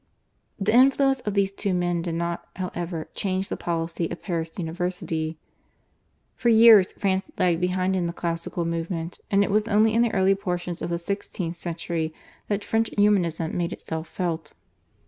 The influence of these two men did not, however, change the policy of Paris University. For years France lagged behind in the classical movement, and it was only in the early portion of the sixteenth century that French Humanism made itself felt.